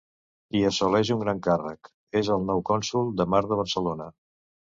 I assoleix un gran càrrec: és el nou cònsol de mar de Barcelona.